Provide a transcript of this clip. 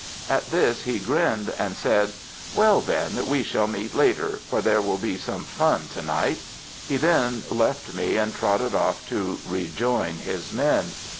At this he grinned, and said: "Well, then, we shall meet later, for there will be some fun to night." He then left me, and trotted off to rejoin his men.